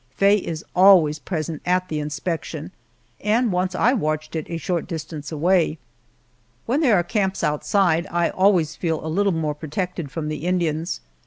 Faye is always present at the inspection, and once I watched it a short distance away. When there are camps outside I always feel a little more protected from the Indians.